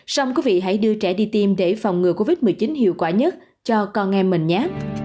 xong quý vị hãy đưa trẻ đi tiêm để phòng ngừa covid một mươi chín hiệu quả nhất cho con em mình nhé